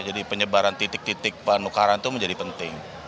jadi penyebaran titik titik penukaran itu menjadi penting